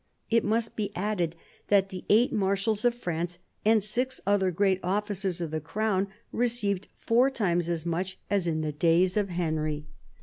It must be added that the eight Marshals of France and six other great officers of the Crown received four times as much as in the days of Henry.